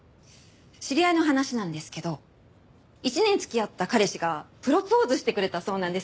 知り合いの話なんですけど１年付き合った彼氏がプロポーズしてくれたそうなんです。